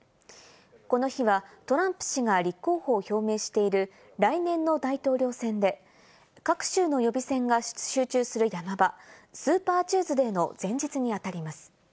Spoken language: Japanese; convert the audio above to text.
この日はトランプ氏が立候補を表明している来年の大統領選で、各州の予備選が集中する山場、スーパーチューズデーの前日にあたります。